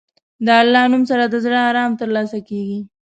د الله نوم سره د زړه ارام ترلاسه کېږي.